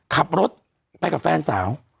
ขับรถไปกับแฟนสาว